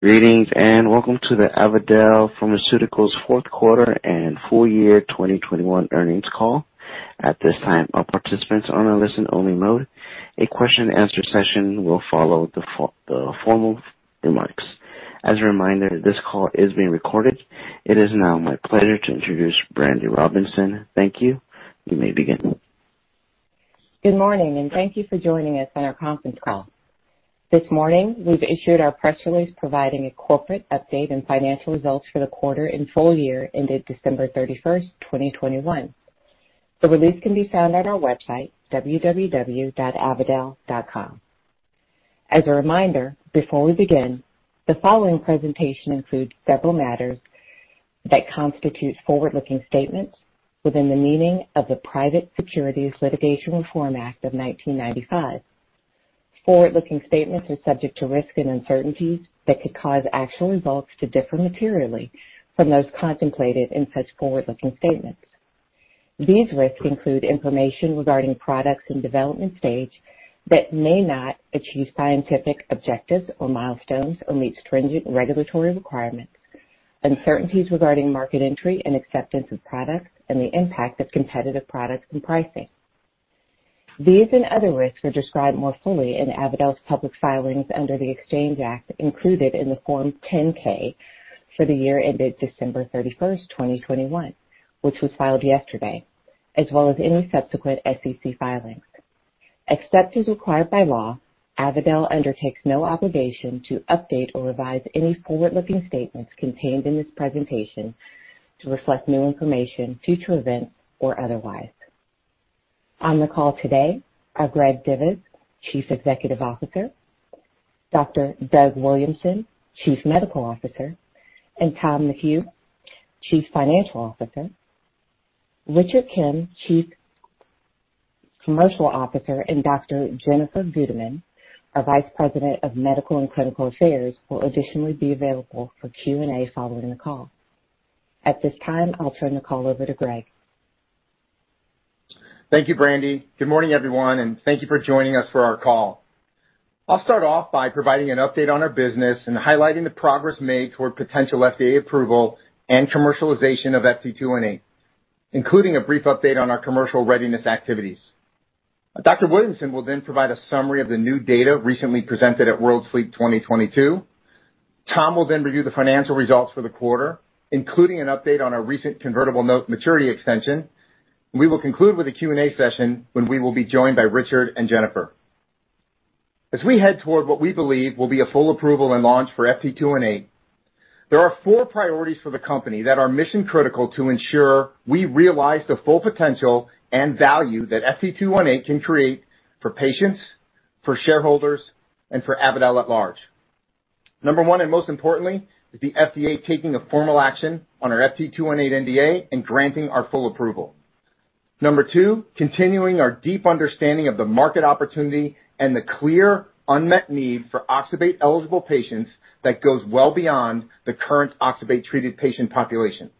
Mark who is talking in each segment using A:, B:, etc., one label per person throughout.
A: Greetings, and welcome to the Avadel Pharmaceuticals fourth quarter and full year 2021 earnings call. At this time, all participants are on a listen-only mode. A Q&A session will follow the formal remarks. As a reminder, this call is being recorded. It is now my pleasure to introduce Brandi Robinson. Thank you. You may begin.
B: Good morning, and thank you for joining us on our conference call. This morning, we've issued our press release providing a corporate update and financial results for the quarter and full year ended December 31st, 2021. The release can be found at our website, www.avadel.com. As a reminder, before we begin, the following presentation includes several matters that constitute forward-looking statements within the meaning of the Private Securities Litigation Reform Act of 1995. Forward-looking statements are subject to risks and uncertainties that could cause actual results to differ materially from those contemplated in such forward-looking statements. These risks include information regarding products and development stage that may not achieve scientific objectives or milestones or meet stringent regulatory requirements, uncertainties regarding market entry and acceptance of products and the impact of competitive products and pricing. These and other risks are described more fully in Avadel's public filings under the Exchange Act included in the Form 10-K for the year ended December 31st, 2021, which was filed yesterday, as well as any subsequent SEC filings. Except as required by law, Avadel undertakes no obligation to update or revise any forward-looking statements contained in this presentation to reflect new information, future events, or otherwise. On the call today are Greg Divis, Chief Executive Officer, Dr. Doug Williamson, Chief Medical Officer, and Tom McHugh, Chief Financial Officer. Richard Kim, Chief Commercial Officer, and Dr. Jennifer Gudeman, our Vice President of Medical and Clinical Affairs, will additionally be available for Q&A following the call. At this time, I'll turn the call over to Greg.
C: Thank you, Brandi. Good morning, everyone, and thank you for joining us for our call. I'll start off by providing an update on our business and highlighting the progress made toward potential FDA approval and commercialization of FT218, including a brief update on our commercial readiness activities. Dr. Williamson will then provide a summary of the new data recently presented at World Sleep 2022. Tom will then review the financial results for the quarter, including an update on our recent convertible note maturity extension. We will conclude with a Q&A session when we will be joined by Richard and Jennifer. As we head toward what we believe will be a full approval and launch for FT218, there are four priorities for the company that are mission-critical to ensure we realize the full potential and value that FT218 can create for patients, for shareholders, and for Avadel at large. Number one, and most importantly, is the FDA taking a formal action on our FT218 NDA and granting our full approval. Number two, continuing our deep understanding of the market opportunity and the clear unmet need for oxybate-eligible patients that goes well beyond the current oxybate-treated patient population.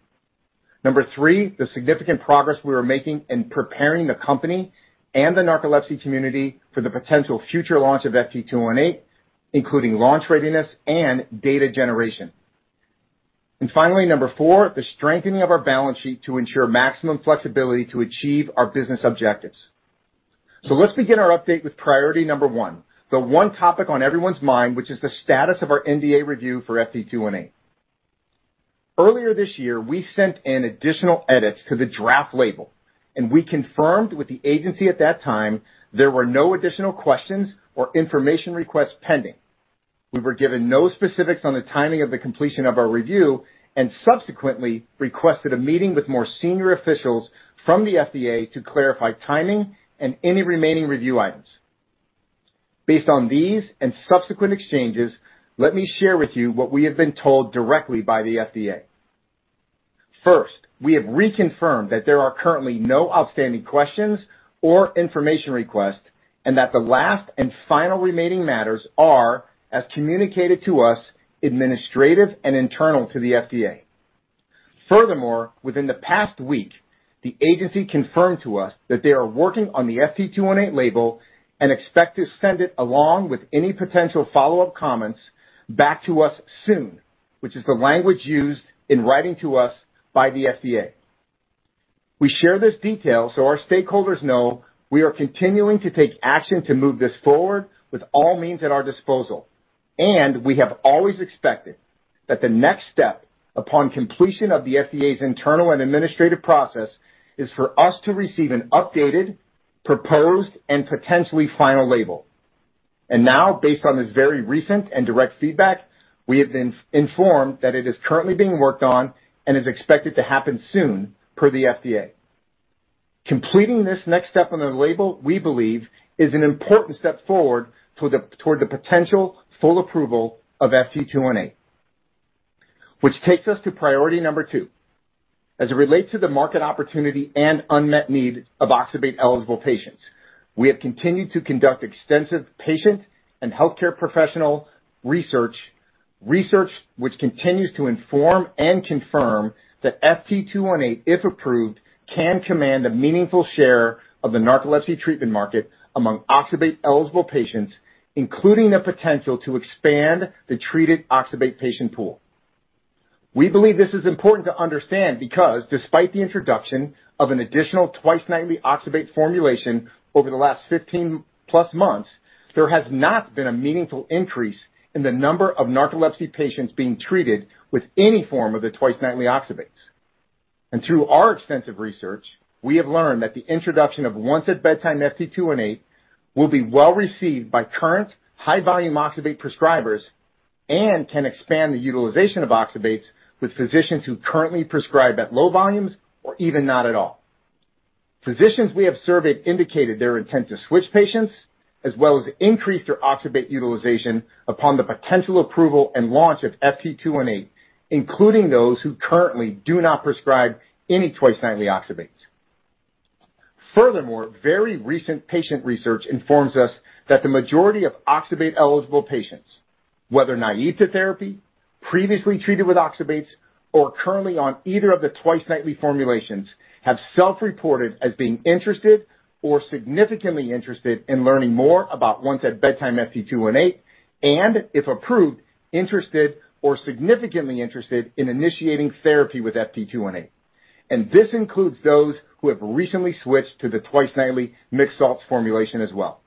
C: Number three, the significant progress we are making in preparing the company and the narcolepsy community for the potential future launch of FT218, including launch readiness and data generation. Finally, number four, the strengthening of our balance sheet to ensure maximum flexibility to achieve our business objectives. Let's begin our update with priority number one, the one topic on everyone's mind, which is the status of our NDA review for FT218. Earlier this year, we sent in additional edits to the draft label, and we confirmed with the agency at that time there were no additional questions or information requests pending. We were given no specifics on the timing of the completion of our review and subsequently requested a meeting with more senior officials from the FDA to clarify timing and any remaining review items. Based on these and subsequent exchanges, let me share with you what we have been told directly by the FDA. First, we have reconfirmed that there are currently no outstanding questions or information requests, and that the last and final remaining matters are, as communicated to us, administrative and internal to the FDA. Furthermore, within the past week, the agency confirmed to us that they are working on the FT218 label and expect to send it, along with any potential follow-up comments, back to us soon, which is the language used in writing to us by the FDA. We share this detail so our stakeholders know we are continuing to take action to move this forward with all means at our disposal. We have always expected that the next step upon completion of the FDA's internal and administrative process is for us to receive an updated, proposed, and potentially final label. Now, based on this very recent and direct feedback, we have been informed that it is currently being worked on and is expected to happen soon per the FDA. Completing this next step on the label, we believe, is an important step forward toward the potential full approval of FT218. Which takes us to priority number two. As it relates to the market opportunity and unmet need of oxybate-eligible patients, we have continued to conduct extensive patient and healthcare professional research which continues to inform and confirm that FT218, if approved, can command a meaningful share of the narcolepsy treatment market among oxybate-eligible patients, including the potential to expand the treated oxybate patient pool. We believe this is important to understand because despite the introduction of an additional twice-nightly oxybate formulation over the last 15+ months, there has not been a meaningful increase in the number of narcolepsy patients being treated with any form of the twice-nightly oxybates. Through our extensive research, we have learned that the introduction of once at bedtime, FT218, will be well received by current high volume oxybate prescribers and can expand the utilization of oxybates with physicians who currently prescribe at low volumes or even not at all. Physicians we have surveyed indicated their intent to switch patients as well as increase their oxybate utilization upon the potential approval and launch of FT218, including those who currently do not prescribe any twice nightly oxybate. Furthermore, very recent patient research informs us that the majority of oxybate-eligible patients, whether naive to therapy, previously treated with oxybates, or currently on either of the twice-nightly formulations, have self-reported as being interested or significantly interested in learning more about once-at-bedtime FT218 and if approved, interested or significantly interested in initiating therapy with FT218. This includes those who have recently switched to the twice-nightly mixed salts formulation as well.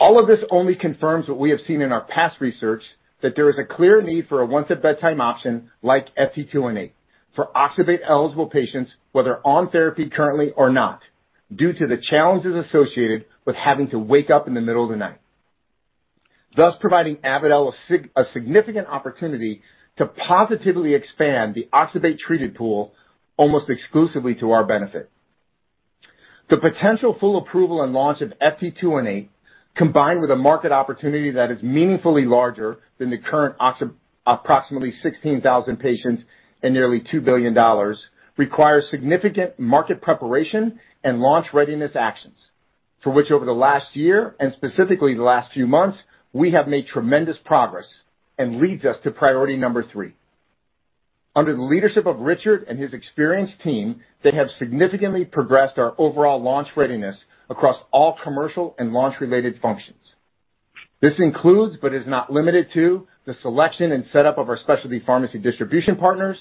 C: All of this only confirms what we have seen in our past research that there is a clear need for a once at bedtime option like FT218 for oxybate eligible patients whether on therapy currently or not, due to the challenges associated with having to wake up in the middle of the night, thus providing Avadel a significant opportunity to positively expand the oxybate treated pool almost exclusively to our benefit. The potential full approval and launch of FT218, combined with a market opportunity that is meaningfully larger than the current approximately 16,000 patients and nearly $2 billion, requires significant market preparation and launch readiness actions. For which over the last year and specifically the last few months, we have made tremendous progress and leads us to priority number three. Under the leadership of Richard and his experienced team, they have significantly progressed our overall launch readiness across all commercial and launch-related functions. This includes, but is not limited to, the selection and setup of our specialty pharmacy distribution partners,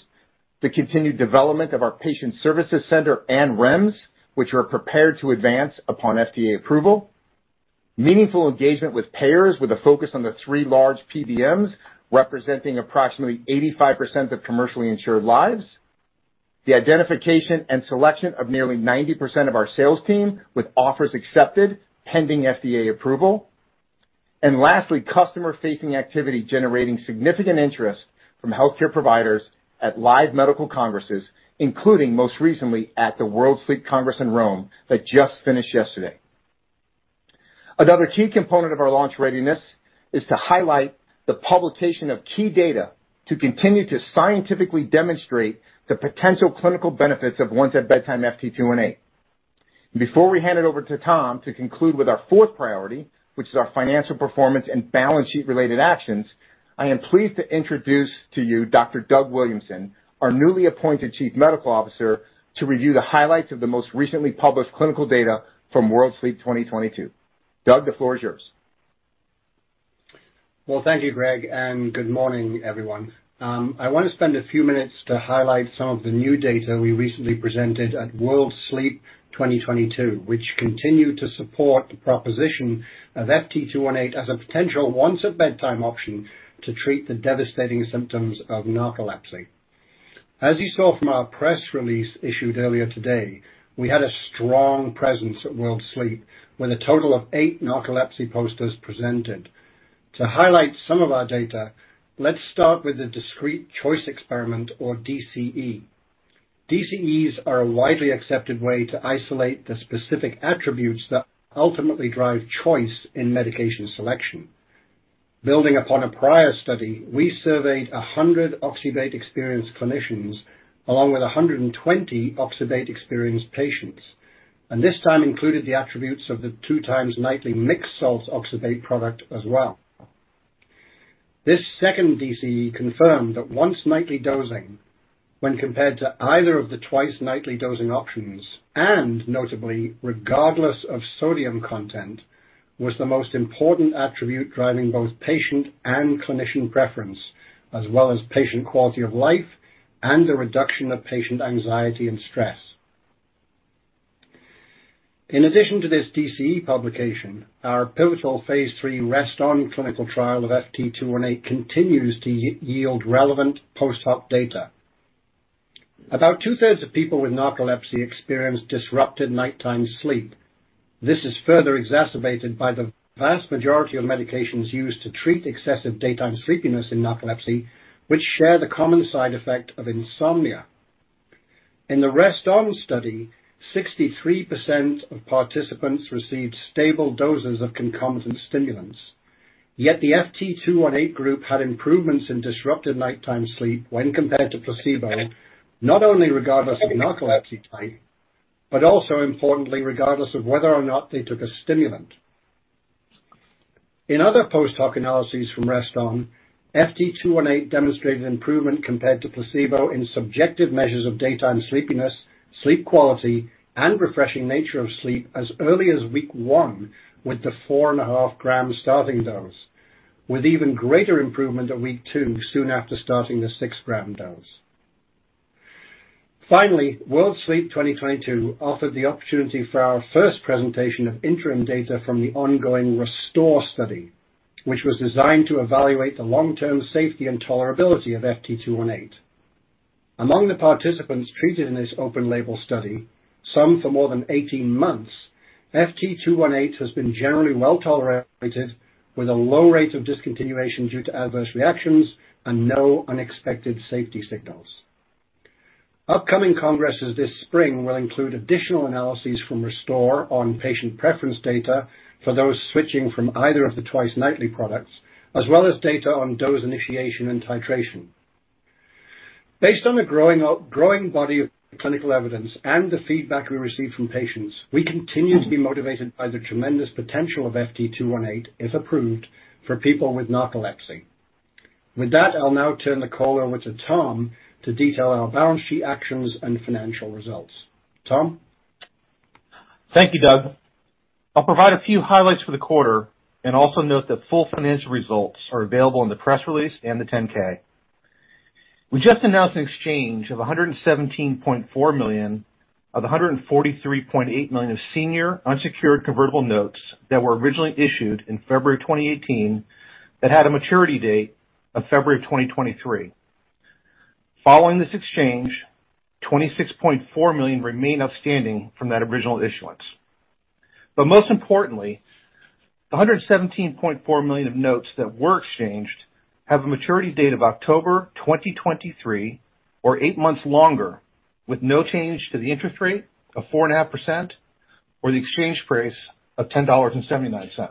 C: the continued development of our patient services center and REMS, which are prepared to advance upon FDA approval. Meaningful engagement with payers with a focus on the three large PBMs, representing approximately 85% of commercially insured lives. The identification and selection of nearly 90% of our sales team with offers accepted pending FDA approval. Lastly, customer-facing activity generating significant interest from healthcare providers at live medical congresses, including most recently at the World Sleep Congress in Rome that just finished yesterday. Another key component of our launch readiness is to highlight the publication of key data to continue to scientifically demonstrate the potential clinical benefits of once-at-bedtime FT218. Before we hand it over to Tom to conclude with our fourth priority, which is our financial performance and balance sheet related actions, I am pleased to introduce to you Dr. Doug Williamson, our newly appointed Chief Medical Officer, to review the highlights of the most recently published clinical data from World Sleep 2022. Doug, the floor is yours.
D: Well, thank you Greg, and good morning everyone. I want to spend a few minutes to highlight some of the new data we recently presented at World Sleep 2022, which continue to support the proposition of FT218 as a potential once-at-bedtime option to treat the devastating symptoms of narcolepsy. As you saw from our press release issued earlier today, we had a strong presence at World Sleep with a total of eight narcolepsy posters presented. To highlight some of our data, let's start with the discrete choice experiment or DCE. DCEs are a widely accepted way to isolate the specific attributes that ultimately drive choice in medication selection. Building upon a prior study, we surveyed 100 oxybate-experienced clinicians along with 120 oxybate-experienced patients, and this time included the attributes of the two times nightly mixed salts oxybate product as well. This second DCE confirmed that once nightly dosing when compared to either of the twice nightly dosing options, and notably regardless of sodium content, was the most important attribute driving both patient and clinician preference, as well as patient quality of life and the reduction of patient anxiety and stress. In addition to this DCE publication, our pivotal phase III REST-ON clinical trial of FT218 continues to yield relevant post-hoc data. About two-thirds of people with narcolepsy experience disrupted nighttime sleep. This is further exacerbated by the vast majority of medications used to treat excessive daytime sleepiness in narcolepsy, which share the common side effect of insomnia. In the REST-ON study, 63% of participants received stable doses of concomitant stimulants. Yet the FT218 group had improvements in disrupted nighttime sleep when compared to placebo, not only regardless of narcolepsy type, but also importantly regardless of whether or not they took a stimulant. In other post-hoc analyses from REST-ON, FT218 demonstrated improvement compared to placebo in subjective measures of daytime sleepiness, sleep quality and refreshing nature of sleep as early as week one with the 4.5 g starting dose, with even greater improvement at week two, soon after starting the 6 g dose. Finally, World Sleep 2022 offered the opportunity for our first presentation of interim data from the ongoing RESTORE study, which was designed to evaluate the long-term safety and tolerability of FT218. Among the participants treated in this open-label study, some for more than 18 months, FT218 has been generally well-tolerated with a low rate of discontinuation due to adverse reactions and no unexpected safety signals. Upcoming congresses this spring will include additional analyses from RESTORE on patient preference data for those switching from either of the twice-nightly products, as well as data on dose initiation and titration. Based on the growing body of clinical evidence and the feedback we receive from patients, we continue to be motivated by the tremendous potential of FT218, if approved, for people with narcolepsy. With that, I'll now turn the call over to Tom to detail our balance sheet actions and financial results. Tom?
E: Thank you, Doug. I'll provide a few highlights for the quarter and also note that full financial results are available in the press release and the 10-K. We just announced an exchange of $117.4 million of the $143.8 million of senior unsecured convertible notes that were originally issued in February 2018 that had a maturity date of February 2023. Following this exchange, $26.4 million remain outstanding from that original issuance. Most importantly, the $117.4 million of notes that were exchanged have a maturity date of October 2023 or eight months longer, with no change to the interest rate of 4.5% or the exchange price of $10.79.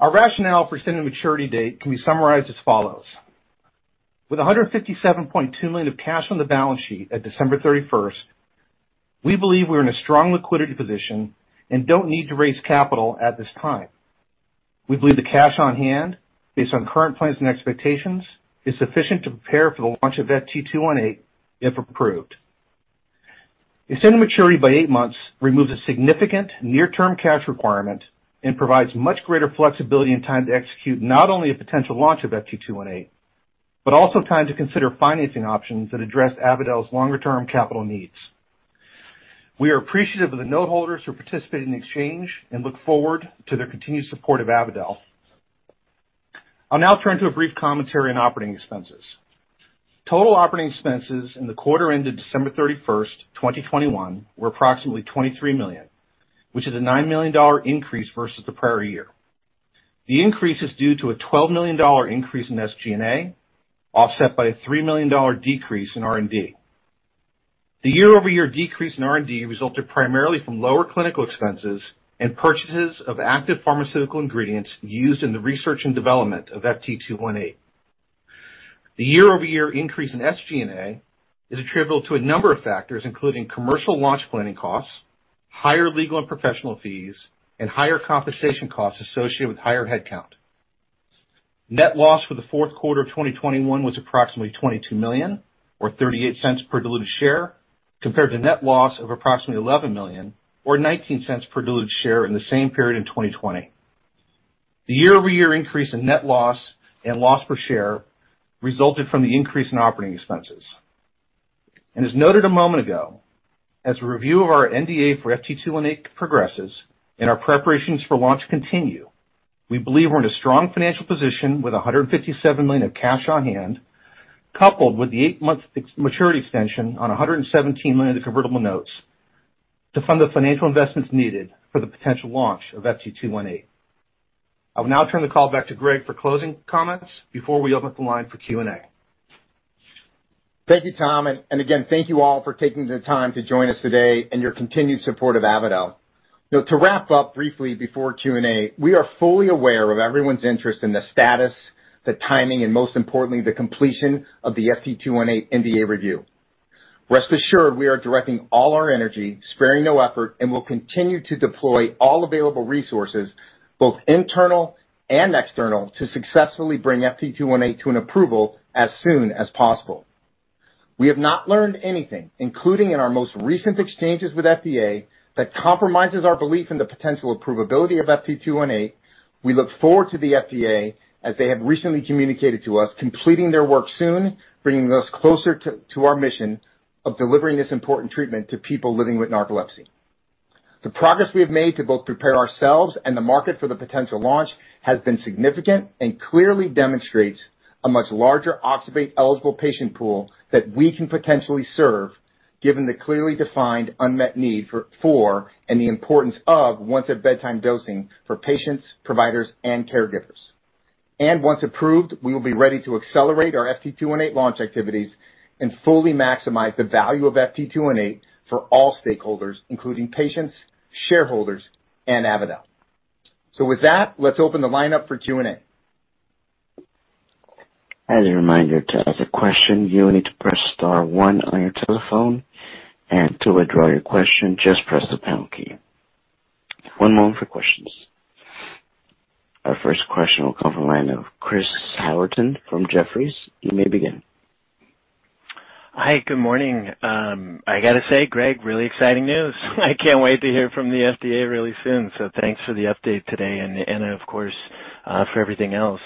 E: Our rationale for extending the maturity date can be summarized as follows: With $157.2 million of cash on the balance sheet at December 31st, we believe we're in a strong liquidity position and don't need to raise capital at this time. We believe the cash on hand, based on current plans and expectations, is sufficient to prepare for the launch of FT218, if approved. Extending maturity by 8= months removes a significant near-term cash requirement and provides much greater flexibility and time to execute not only a potential launch of FT218, but also time to consider financing options that address Avadel's longer term capital needs. We are appreciative of the note holders who participated in the exchange and look forward to their continued support of Avadel. I'll now turn to a brief commentary on operating expenses. Total operating expenses in the quarter ended December 31st, 2021, were approximately $23 million, which is a $9 million increase versus the prior year. The increase is due to a $12 million increase in SG&A, offset by a $3 million decrease in R&D. The year-over-year decrease in R&D resulted primarily from lower clinical expenses and purchases of active pharmaceutical ingredients used in the research and development of FT218. The year-over-year increase in SG&A is attributable to a number of factors, including commercial launch planning costs, higher legal and professional fees, and higher compensation costs associated with higher headcount. Net loss for the fourth quarter of 2021 was approximately $22 million or $0.38 per diluted share, compared to net loss of approximately $11 million or $0.19 per diluted share in the same period in 2020. The year-over-year increase in net loss and loss per share resulted from the increase in operating expenses. As noted a moment ago, as a review of our NDA for FT218 progresses and our preparations for launch continue, we believe we're in a strong financial position with $157 million of cash on hand, coupled with the eight-month maturity extension on $117 million of convertible notes to fund the financial investments needed for the potential launch of FT218. I will now turn the call back to Greg for closing comments before we open up the line for Q&A.
C: Thank you, Tom, and again, thank you all for taking the time to join us today and your continued support of Avadel. You know, to wrap up briefly before Q&A, we are fully aware of everyone's interest in the status, the timing, and most importantly, the completion of the FT218 NDA review. Rest assured we are directing all our energy, sparing no effort, and will continue to deploy all available resources, both internal and external, to successfully bring FT218 to an approval as soon as possible. We have not learned anything, including in our most recent exchanges with FDA, that compromises our belief in the potential approvability of FT218. We look forward to the FDA, as they have recently communicated to us, completing their work soon, bringing us closer to our mission of delivering this important treatment to people living with narcolepsy. The progress we have made to both prepare ourselves and the market for the potential launch has been significant and clearly demonstrates a much larger Oxybate-eligible patient pool that we can potentially serve, given the clearly defined unmet need for and the importance of once-at-bedtime dosing for patients, providers, and caregivers. Once approved, we will be ready to accelerate our FT218 launch activities and fully maximize the value of FT218 for all stakeholders, including patients, shareholders, and Avadel. With that, let's open the line up for Q&A.
A: As a reminder, to ask a question, you will need to press star one on your telephone, and to withdraw your question, just press the pound key. One moment for questions. Our first question will come from the line of Chris Howerton from Jefferies. You may begin.
F: Hi. Good morning. I got to say, Greg, really exciting news. I can't wait to hear from the FDA really soon. Thanks for the update today and for everything else.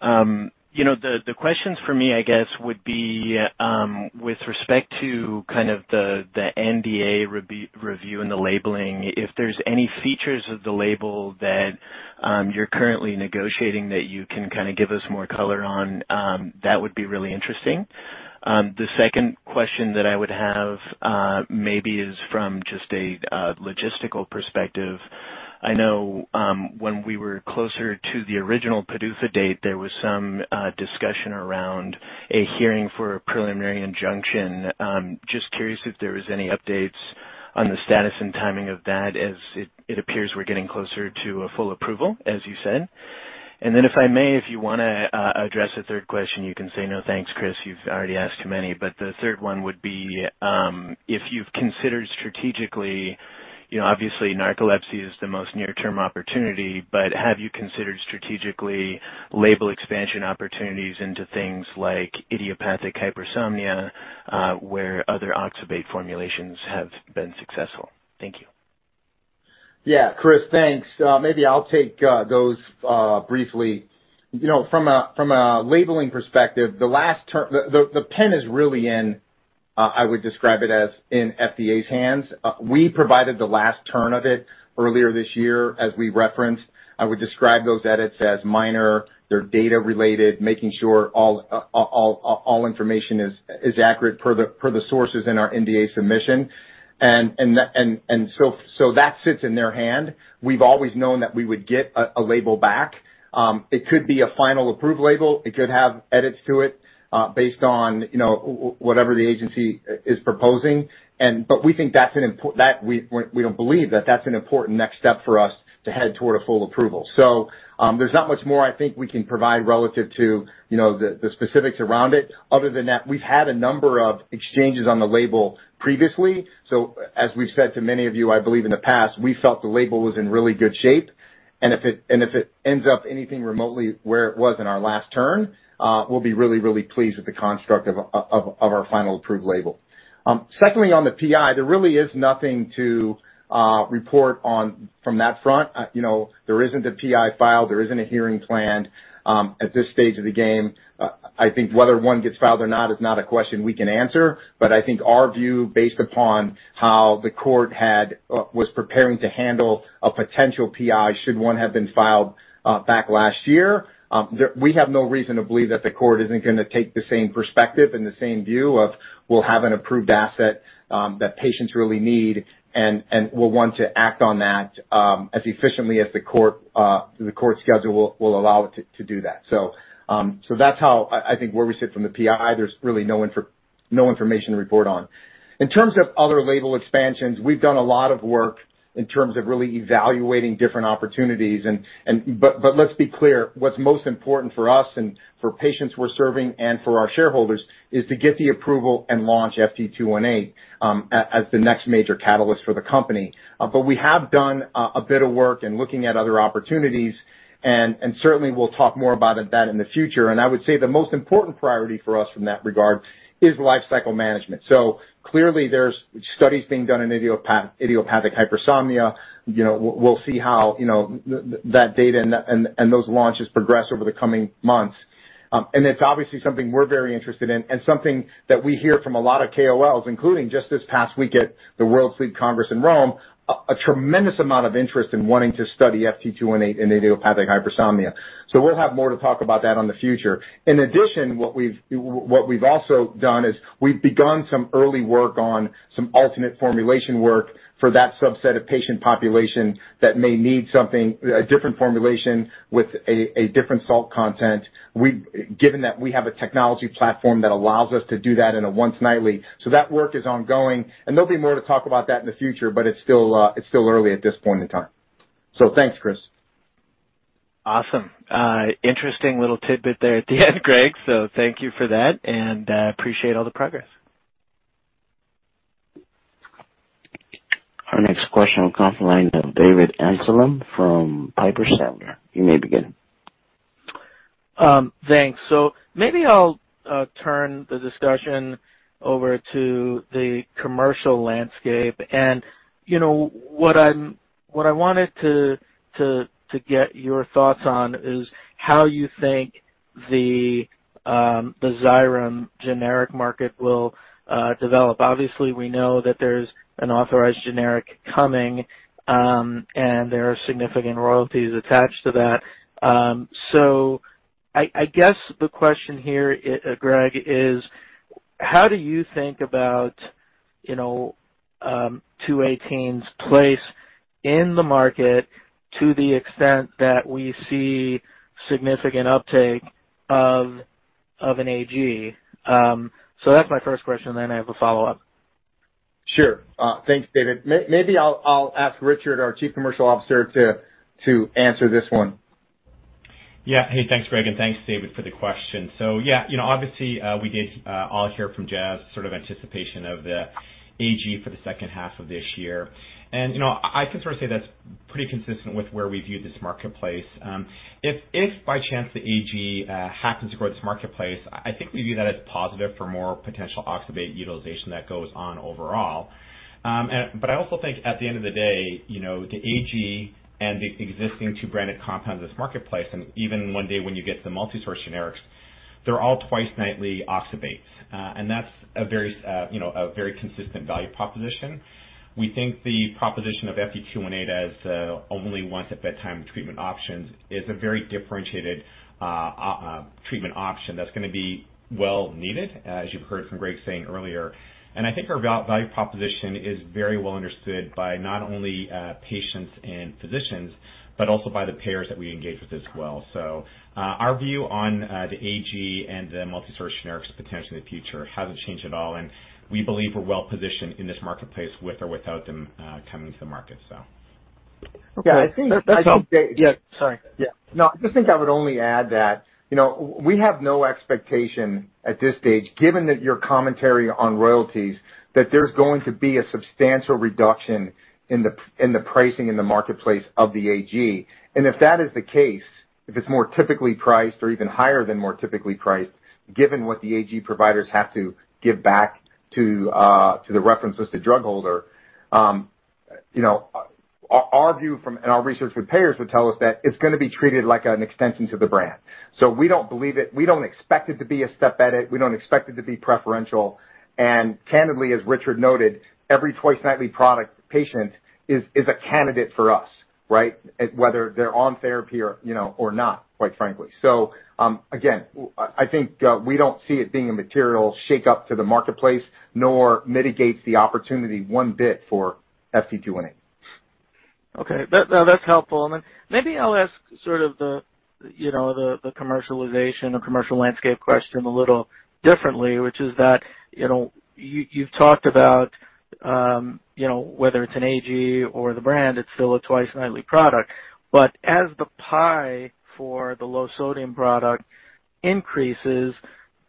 F: You know, the questions for me, I guess, would be with respect to kind of the NDA review and the labeling. If there's any features of the label that you're currently negotiating that you can kind of give us more color on, that would be really interesting. The second question that I would have, maybe is from just a logistical perspective. I know when we were closer to the original PDUFA date, there was some discussion around a hearing for a preliminary injunction. Just curious if there was any updates on the status and timing of that as it appears we're getting closer to a full approval, as you said. If I may, if you wanna address a third question, you can say, "No, thanks, Chris, you've already asked too many." The third one would be, if you've considered strategically, you know, obviously narcolepsy is the most near-term opportunity, but have you considered strategically label expansion opportunities into things like idiopathic hypersomnia, where other oxybate formulations have been successful? Thank you.
C: Yeah. Chris, thanks. Maybe I'll take those briefly. You know, from a labeling perspective, the last term, the pen is really in, I would describe it as in FDA's hands. We provided the last turn of it earlier this year as we referenced. I would describe those edits as minor. They're data related, making sure all information is accurate per the sources in our NDA submission. And that, so that sits in their hands. We've always known that we would get a label back. It could be a final approved label. It could have edits to it, based on, you know, whatever the agency is proposing. We think that's that we don't believe that that's an important next step for us to head toward a full approval. There's not much more I think we can provide relative to, you know, the specifics around it. Other than that, we've had a number of exchanges on the label previously. As we've said to many of you, I believe in the past, we felt the label was in really good shape. If it ends up anything remotely where it was in our last turn, we'll be really pleased with the construct of our final approved label. Secondly, on the PI, there really is nothing to report on from that front. You know, there isn't a PI filed. There isn't a hearing planned at this stage of the game. I think whether one gets filed or not is not a question we can answer. I think our view, based upon how the court was preparing to handle a potential PI, should one have been filed, back last year, we have no reason to believe that the court isn't gonna take the same perspective and the same view of we'll have an approved asset, that patients really need. We'll want to act on that, as efficiently as the court schedule will allow it to do that. That's how I think where we sit from the PI. There's really no information to report on. In terms of other label expansions, we've done a lot of work in terms of really evaluating different opportunities, but let's be clear, what's most important for us and for patients we're serving and for our shareholders is to get the approval and launch FT218 as the next major catalyst for the company. But we have done a bit of work in looking at other opportunities and certainly we'll talk more about that in the future. I would say the most important priority for us from that regard is life cycle management. Clearly there's studies being done in idiopathic hypersomnia. We'll see how that data and those launches progress over the coming months. It's obviously something we're very interested in and something that we hear from a lot of KOLs, including just this past week at the World Sleep Congress in Rome, a tremendous amount of interest in wanting to study FT218 in idiopathic hypersomnia. We'll have more to talk about that in the future. In addition, what we've also done is we've begun some early work on some alternate formulation work for that subset of patient population that may need something, a different formulation with a different salt content. Given that we have a technology platform that allows us to do that in a once nightly. That work is ongoing, and there'll be more to talk about that in the future, but it's still early at this point in time. Thanks, Chris.
F: Awesome. Interesting little tidbit there at the end, Greg, so thank you for that and appreciate all the progress.
A: Our next question will come from the line of David Amsellem from Piper Sandler. You may begin.
G: Thanks. Maybe I'll turn the discussion over to the commercial landscape. You know, what I wanted to get your thoughts on is how you think the Xyrem generic market will develop. Obviously, we know that there's an authorized generic coming, and there are significant royalties attached to that. I guess the question here, Greg, is how do you think about, you know, FT218's place in the market to the extent that we see significant uptake of an AG. That's my first question, then I have a follow-up.
C: Sure. Thanks, David. Maybe I'll ask Richard, our Chief Commercial Officer, to answer this one.
H: Yeah. Hey, thanks, Greg, and thanks, David, for the question. So yeah, you know, obviously, we did all hear from Jazz, sort of anticipation of the AG for the second half of this year. You know, I can sort of say that's pretty consistent with where we view this marketplace. If by chance the AG happens to grow this marketplace, I think we view that as positive for more potential oxybate utilization that goes on overall. But I also think at the end of the day, you know, the AG and the existing two branded compounds in this marketplace, and even one day when you get the multi-source generics, they're all twice-nightly oxybate, and that's a very, you know, a very consistent value proposition. We think the proposition of FT218 as the only once-at-bedtime treatment option is a very differentiated treatment option that's gonna be well needed, as you've heard from Greg saying earlier. I think our value proposition is very well understood by not only patients and physicians, but also by the payers that we engage with as well. Our view on the AG and the multi-source generics potentially in the future hasn't changed at all, and we believe we're well positioned in this marketplace with or without them coming to the market.
G: Okay.
C: Yeah, I think. Sorry. Yeah. No, I just think I would only add that, you know, we have no expectation at this stage, given that your commentary on royalties, that there's going to be a substantial reduction in the pricing in the marketplace of the AG. If that is the case, if it's more typically priced or even higher than more typically priced, given what the AG providers have to give back to the reference listed drug holder, you know, our view from and our research with payers would tell us that it's gonna be treated like an extension to the brand. We don't believe it. We don't expect it to be a step edit. We don't expect it to be preferential. Candidly, as Richard noted, every twice-nightly product patient is a candidate for us, right? Whether they're on therapy or, you know, or not, quite frankly. Again, I think we don't see it being a material shakeup to the marketplace nor mitigates the opportunity one bit for FT218.
G: Okay. That now that's helpful. Then maybe I'll ask sort of the you know the commercialization or commercial landscape question a little differently, which is that, you know, you've talked about, you know, whether it's an AG or the brand, it's still a twice-nightly product. But as the pie for the low sodium product increases,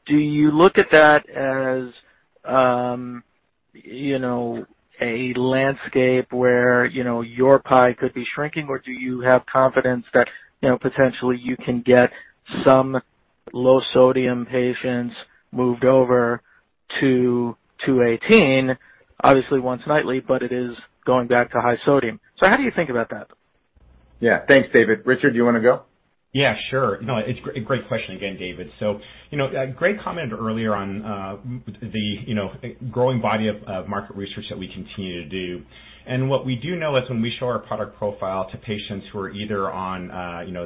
G: do you look at that as, you know, a landscape where, you know, your pie could be shrinking, or do you have confidence that, you know, potentially you can get some low sodium patients moved over to two eighteen, obviously once nightly, but it is going back to high sodium. So how do you think about that?
C: Yeah. Thanks, David. Richard, do you wanna go?
H: Yeah, sure. No, it's a great question again, David. Greg commented earlier on the growing body of market research that we continue to do. What we do know is when we show our product profile to patients who are either on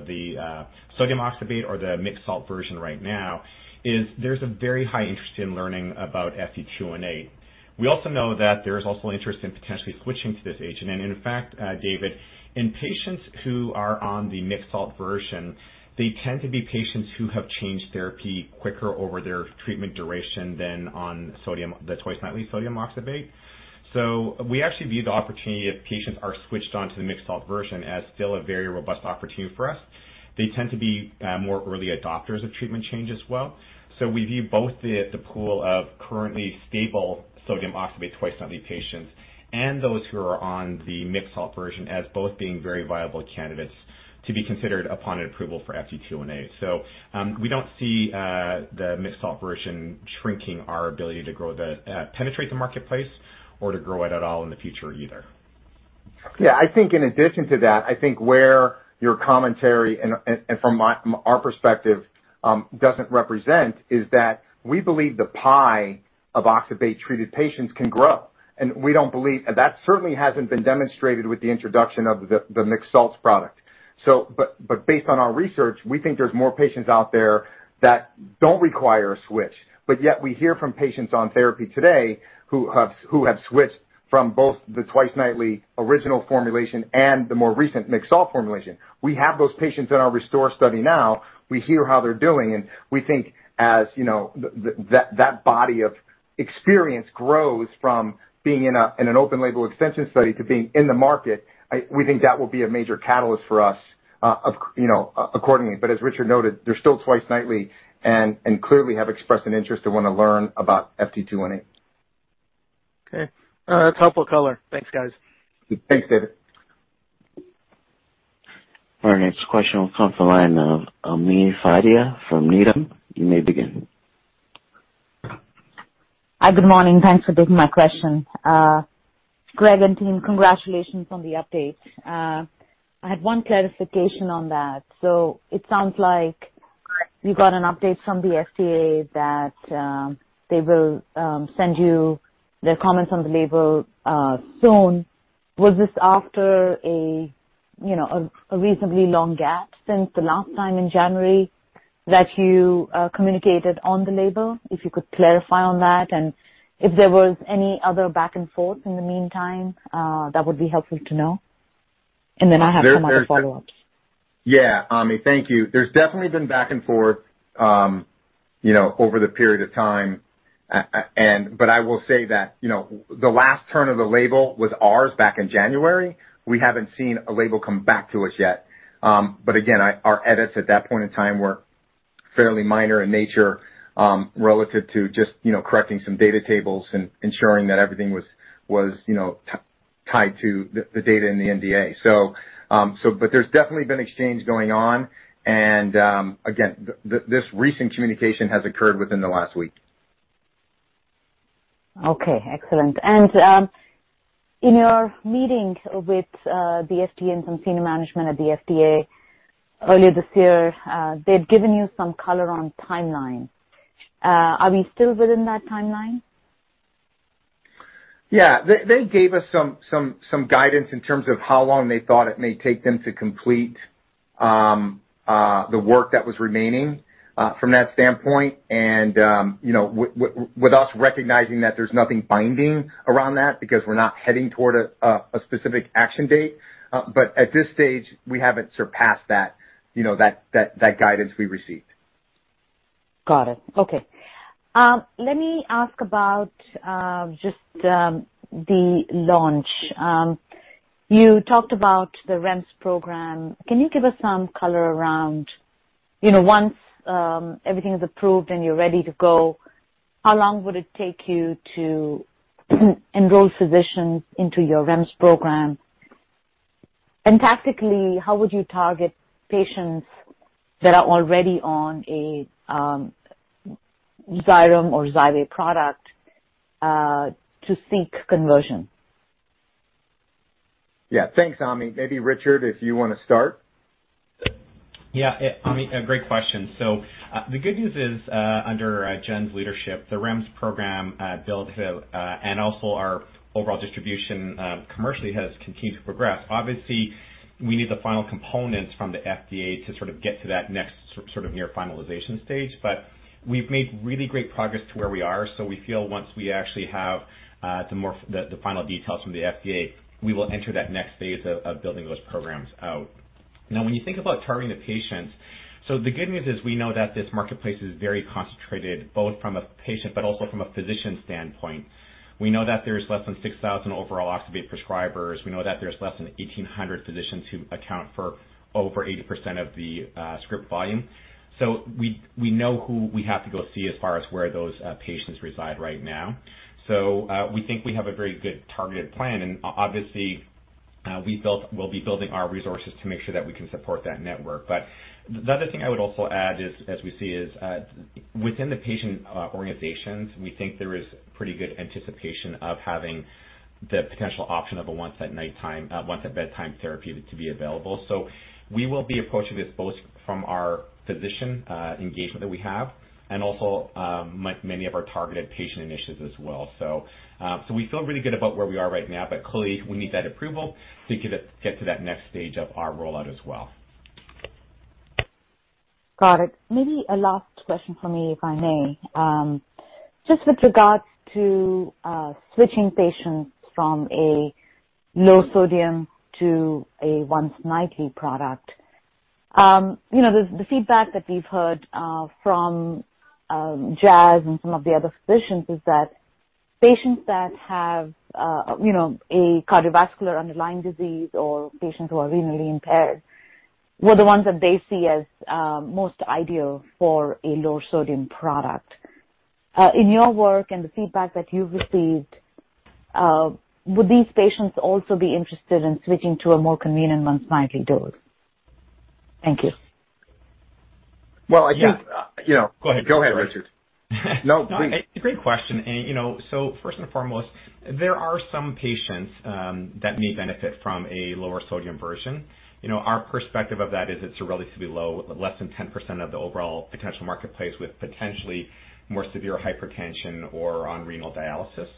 H: the sodium oxybate or the mixed salt version right now, there's a very high interest in learning about FT218. We also know that there's also interest in potentially switching to this agent. In fact, David, in patients who are on the mixed salt version, they tend to be patients who have changed therapy quicker over their treatment duration than on the twice-nightly sodium oxybate. We actually view the opportunity if patients are switched on to the mixed salt version as still a very robust opportunity for us. They tend to be more early adopters of treatment change as well. We view both the pool of currently stable sodium oxybate twice-nightly patients and those who are on the mixed salt version as both being very viable candidates to be considered upon an approval for FT218. We don't see the mixed salt version shrinking our ability to grow penetrate the marketplace or to grow it at all in the future either.
C: Yeah. I think in addition to that, I think where your commentary and from our perspective doesn't represent is that we believe the pie of oxybate-treated patients can grow. We don't believe. That certainly hasn't been demonstrated with the introduction of the mixed salts product. Based on our research, we think there's more patients out there that don't require a switch. Yet we hear from patients on therapy today who have switched from both the twice-nightly original formulation and the more recent mixed salt formulation. We have those patients in our RESTORE study now. We hear how they're doing, and we think as, you know, that that body of experience grows from being in an open label extension study to being in the market, we think that will be a major catalyst for us, you know, accordingly. As Richard noted, they're still twice nightly and clearly have expressed an interest to want to learn about FT218.
G: Okay. That's helpful color. Thanks, guys.
C: Thanks, David.
A: Our next question will come from the line of Ami Fadia from Needham. You may begin.
I: Hi. Good morning. Thanks for taking my question. Greg and team, congratulations on the update. I had one clarification on that. It sounds like you got an update from the FDA that they will send you their comments on the label soon. Was this after a you know reasonably long gap since the last time in January that you communicated on the label? If you could clarify on that and if there was any other back and forth in the meantime that would be helpful to know. I have some other follow-ups.
C: Yeah. Ami, thank you. There's definitely been back and forth, you know, over the period of time. I will say that, you know, the last turn of the label was ours back in January. We haven't seen a label come back to us yet. Again, our edits at that point in time were fairly minor in nature, relative to just, you know, correcting some data tables and ensuring that everything was, you know, tied to the data in the NDA. There's definitely been exchanges going on. Again, this recent communication has occurred within the last week.
I: Okay, excellent. In your meeting with the FDA and some senior management at the FDA earlier this year, they'd given you some color on timeline. Are we still within that timeline?
C: Yeah. They gave us some guidance in terms of how long they thought it may take them to complete the work that was remaining from that standpoint. You know, with us recognizing that there's nothing binding around that because we're not heading toward a specific action date. At this stage, we haven't surpassed that, you know, that guidance we received.
I: Got it. Okay. Let me ask about just the launch. You talked about the REMS program. Can you give us some color around, you know, once everything is approved and you're ready to go, how long would it take you to enroll physicians into your REMS program? And tactically, how would you target patients that are already on a Xyrem or Xywav product to seek conversion?
C: Yeah. Thanks, Ami. Maybe Richard, if you wanna start.
H: Yeah, Ami, a great question. The good news is, under Jen's leadership, the REMS program built, and also our overall distribution commercially has continued to progress. Obviously, we need the final components from the FDA to sort of get to that next sort of near finalization stage. We've made really great progress to where we are. We feel once we actually have the final details from the FDA, we will enter that next phase of building those programs out. Now, when you think about targeting the patients, so the good news is we know that this marketplace is very concentrated, both from a patient, but also from a physician standpoint. We know that there's less than 6,000 overall activated prescribers. We know that there's less than 1,800 physicians who account for over 80% of the script volume. We know who we have to go see as far as where those patients reside right now. We think we have a very good targeted plan. Obviously, we'll be building our resources to make sure that we can support that network. The other thing I would also add is as we see within the patient organizations, we think there is pretty good anticipation of having the potential option of a once at nighttime once-at-bedtime therapy to be available. We will be approaching this both from our physician engagement that we have and also many of our targeted patient initiatives as well. We feel really good about where we are right now, but clearly, we need that approval to get to that next stage of our rollout as well.
I: Got it. Maybe a last question for me, if I may. Just with regards to switching patients from a low sodium to a once-nightly product. You know, the feedback that we've heard from Jazz and some of the other physicians is that patients that have a cardiovascular underlying disease or patients who are renally impaired were the ones that they see as most ideal for a lower sodium product. In your work and the feedback that you've received, would these patients also be interested in switching to a more convenient once-nightly dose? Thank you.
C: Well, I think.
H: Yeah.
C: You know.
H: Go ahead.
C: Go ahead, Richard. No, please.
H: Great question. You know, so first and foremost, there are some patients that may benefit from a lower sodium version. You know, our perspective of that is it's a relatively low, less than 10% of the overall potential marketplace with potentially more severe hypertension or on renal dialysis.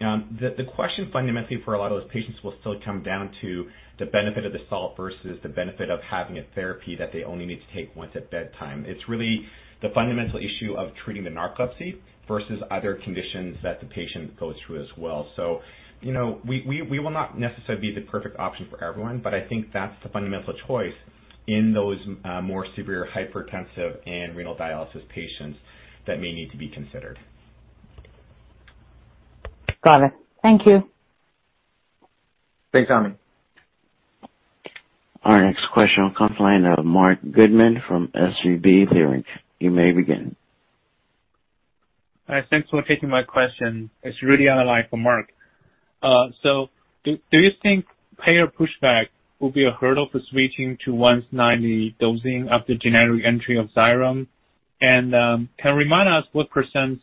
H: The question fundamentally for a lot of those patients will still come down to the benefit of the salt versus the benefit of having a therapy that they only need to take once at bedtime. It's really the fundamental issue of treating the narcolepsy versus other conditions that the patient goes through as well. You know, we will not necessarily be the perfect option for everyone, but I think that's the fundamental choice in those more severe hypertensive and renal dialysis patients that may need to be considered.
I: Got it. Thank you.
C: Thanks, Ami.
A: Our next question will come from the line of Marc Goodman from SVB Leerink. You may begin.
J: Thanks for taking my question. It's Rudy Li from SVB Leerink. So do you think payer pushback will be a hurdle for switching to once-nightly dosing after generic entry of Xyrem? Can you remind us what %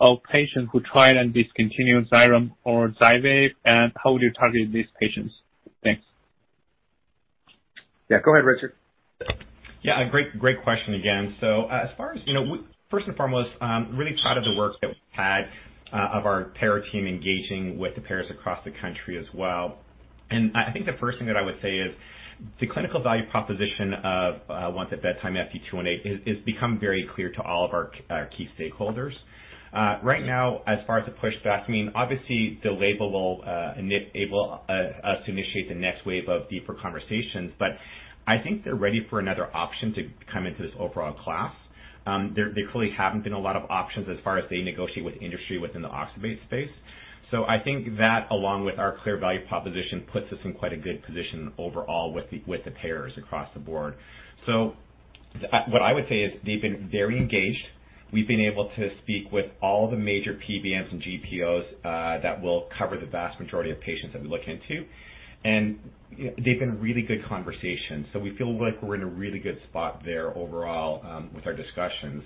J: of patients who tried and discontinued Xyrem or Xywav, and how would you target these patients? Thanks.
C: Yeah. Go ahead, Richard.
H: Yeah, great question again. As far as you know, first and foremost, really proud of the work that we've had of our payer team engaging with the payers across the country as well. I think the first thing that I would say is the clinical value proposition of once-at-bedtime FT218 has become very clear to all of our key stakeholders. Right now, as far as the pushback, I mean, obviously the label will enable us to initiate the next wave of deeper conversations. I think they're ready for another option to come into this overall class. There clearly haven't been a lot of options as far as they negotiate with industry within the oxybate space. I think that, along with our clear value proposition, puts us in quite a good position overall with the payers across the board. What I would say is they've been very engaged. We've been able to speak with all the major PBMs and GPOs that will cover the vast majority of patients that we look into. They've been really good conversations. We feel like we're in a really good spot there overall with our discussions.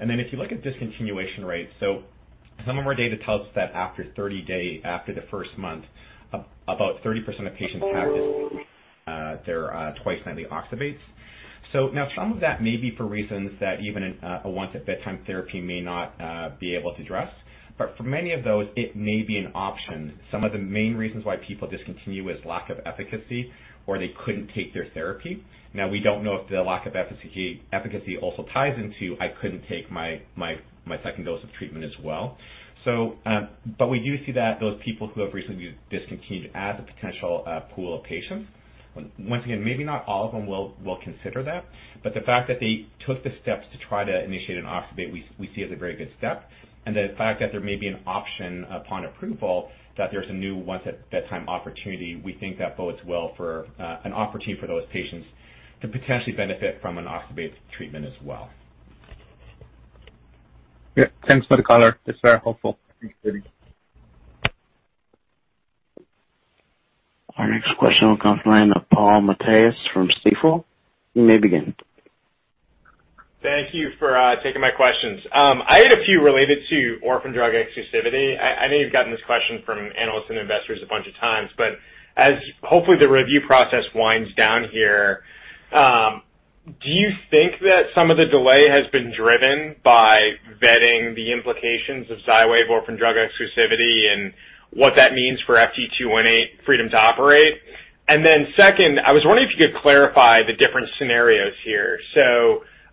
H: Then if you look at discontinuation rates, some of our data tells us that after 30 days after the first month, about 30% of patients have discontinued their twice nightly oxybates. Now some of that may be for reasons that even a once at bedtime therapy may not be able to address. For many of those, it may be an option. Some of the main reasons why people discontinue is lack of efficacy or they couldn't take their therapy. Now, we don't know if the lack of efficacy also ties into I couldn't take my second dose of treatment as well. We do see that those people who have recently discontinued as a potential pool of patients. Once again, maybe not all of them will consider that. The fact that they took the steps to try to initiate an Oxybate we see as a very good step. The fact that there may be an option upon approval, that there's a new once-at-bedtime opportunity, we think that bodes well for an opportunity for those patients to potentially benefit from an Oxybate treatment as well.
J: Yeah. Thanks for the color. It's very helpful. Thanks.
A: Our next question will come from the line of Paul Matteis from Stifel. You may begin.
K: Thank you for taking my questions. I had a few related to orphan drug exclusivity. I know you've gotten this question from analysts and investors a bunch of times, but as hopefully the review process winds down here, do you think that some of the delay has been driven by vetting the implications of Xywav orphan drug exclusivity and what that means for FT218 freedom to operate? And then second, I was wondering if you could clarify the different scenarios here.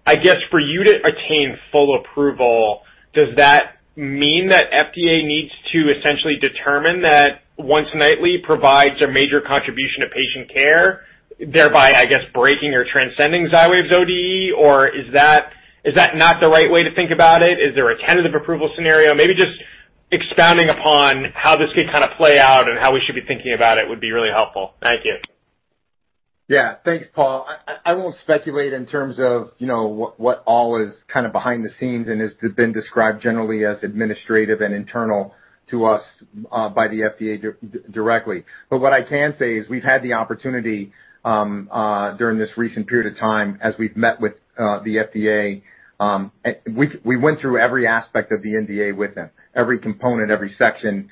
K: I guess for you to attain full approval, does that mean that FDA needs to essentially determine that once nightly provides a major contribution to patient care, thereby, I guess, breaking or transcending Xywav's ODE? Or is that not the right way to think about it? Is there a tentative approval scenario? Maybe just expounding upon how this could kind of play out and how we should be thinking about it would be really helpful. Thank you.
C: Yeah. Thanks, Paul. I won't speculate in terms of, you know, what all is kind of behind the scenes and has been described generally as administrative and internal to us by the FDA directly. What I can say is we've had the opportunity during this recent period of time as we've met with the FDA and we went through every aspect of the NDA with them, every component, every section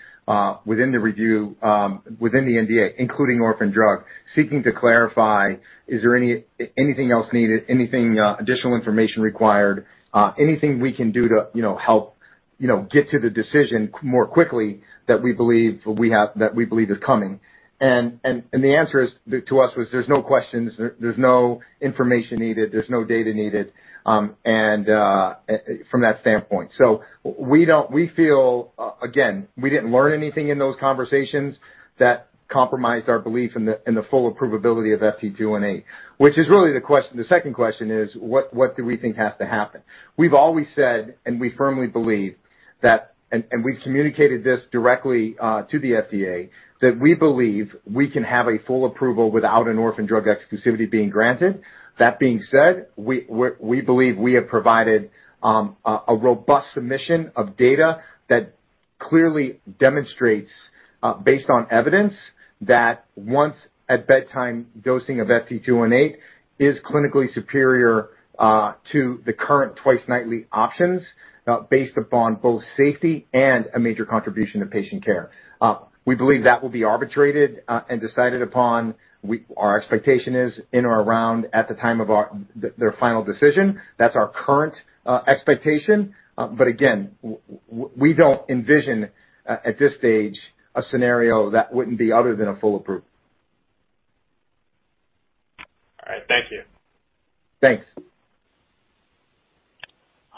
C: within the review within the NDA, including orphan drug, seeking to clarify is there anything else needed, anything additional information required, anything we can do to, you know, help, you know, get to the decision more quickly that we believe we have that we believe is coming. The answer is to us was there's no questions, there's no information needed, there's no data needed from that standpoint. We feel again, we didn't learn anything in those conversations that compromised our belief in the full approvability of FT218. Which is really the question. The second question is what do we think has to happen? We've always said, and we firmly believe that and we've communicated this directly to the FDA, that we believe we can have a full approval without an orphan drug exclusivity being granted. That being said, we believe we have provided a robust submission of data that clearly demonstrates, based on evidence, that once-at-bedtime dosing of FT218 is clinically superior to the current twice nightly options, based upon both safety and a major contribution to patient care. We believe that will be arbitrated and decided upon. Our expectation is in or around at the time of their final decision. That's our current expectation. But again, we don't envision at this stage a scenario that wouldn't be other than a full approval.
K: All right. Thank you.
C: Thanks.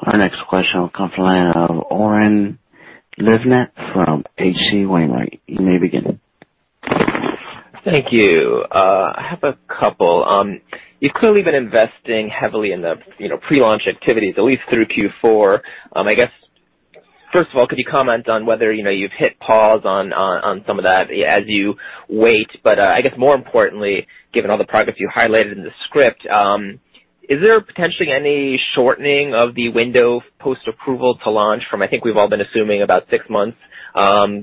A: Our next question will come from the line of Oren Livnat from H.C. Wainwright. You may begin.
L: Thank you. I have a couple. You've clearly been investing heavily in the, you know, pre-launch activities at least through Q4. I guess, first of all, could you comment on whether, you know, you've hit pause on some of that as you wait. I guess more importantly, given all the progress you highlighted in the script, is there potentially any shortening of the window post-approval to launch from, I think we've all been assuming about six months,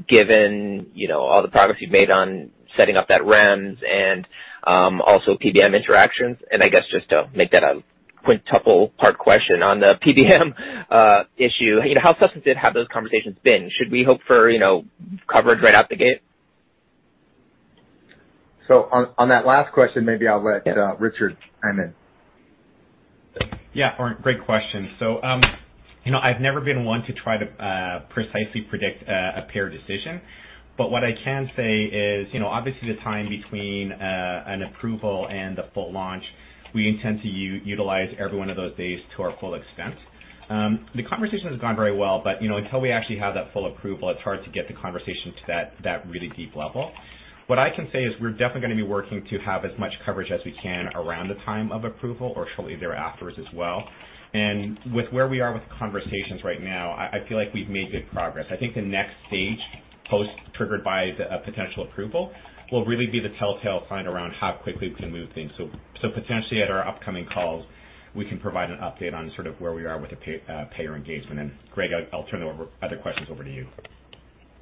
L: given, you know, all the progress you've made on setting up that REMS and also PBM interactions? I guess just to make that a quintuple hard question on the PBM issue, you know, how substantive have those conversations been? Should we hope for, you know, coverage right out the gate?
C: On that last question, maybe I'll let Richard chime in.
H: Yeah, Oren, great question. You know, I've never been one to try to precisely predict a PDUFA decision. What I can say is, you know, obviously the time between an approval and a full launch, we intend to utilize every one of those days to our full extent. The conversation has gone very well, but, you know, until we actually have that full approval, it's hard to get the conversation to that really deep level. What I can say is we're definitely gonna be working to have as much coverage as we can around the time of approval or shortly thereafter as well. With where we are with conversations right now, I feel like we've made good progress. I think the next stage, triggered by a potential approval, will really be the tell-tale sign around how quickly we can move things. Potentially at our upcoming calls, we can provide an update on sort of where we are with the payer engagement. Greg, I'll turn it over, other questions over to you.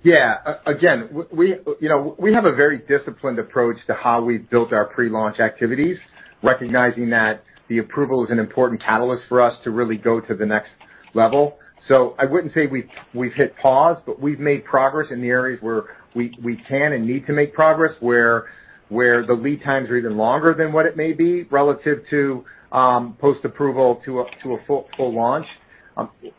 C: Yeah. Again, we, you know, we have a very disciplined approach to how we've built our pre-launch activities, recognizing that the approval is an important catalyst for us to really go to the next level. I wouldn't say we've hit pause, but we've made progress in the areas where we can and need to make progress, where the lead times are even longer than what it may be relative to post-approval to a full launch.